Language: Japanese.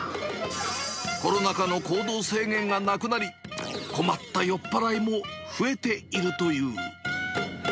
コロナ禍の行動制限がなくなり、困った酔っ払いも増えているという。